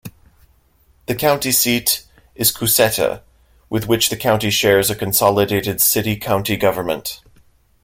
The county seat is Cusseta, with which the county shares a consolidated city-county government.